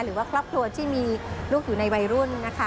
หรือว่าครอบครัวที่มีลูกอยู่ในวัยรุ่นนะคะ